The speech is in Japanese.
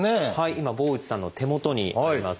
今坊内さんの手元にあります。